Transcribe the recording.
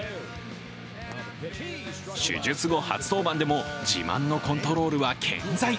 手術後初登板でも自慢のコントロールは健在。